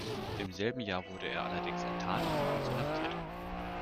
Im selben Jahr wurde er allerdings enttarnt und kurz inhaftiert.